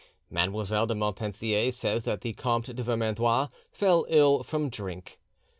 Mademoiselle de Montpensier says that the Comte de Vermandois "fell ill from drink."